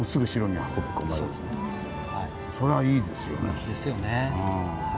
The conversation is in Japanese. それはいいですよね。